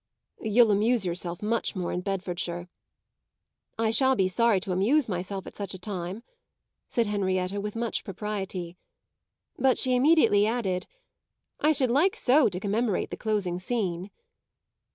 "You'll amuse yourself much more in Bedfordshire." "I shall be sorry to amuse myself at such a time," said Henrietta with much propriety. But she immediately added: "I should like so to commemorate the closing scene."